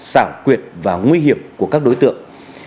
xảo quyệt và nguy hiểm của các đối tượng